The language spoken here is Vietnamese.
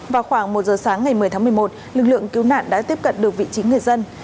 vào khoảng một giờ sáng ngày một mươi tháng một mươi một lực lượng cứu nạn đã tiếp cận được vị trí người dân